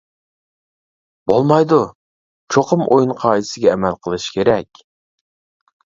-بولمايدۇ، چوقۇم ئويۇن قائىدىسىگە ئەمەل قىلىشى كېرەك!